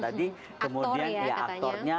tadi kemudian ya aktornya